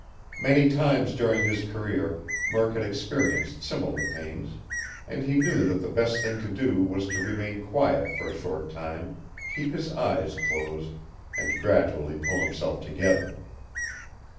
Many times during his career Murk had experienced similar pains. And he knew that the best thing to do was to remain quiet for a short time, keep his eyes closed, and gradually pull himself together.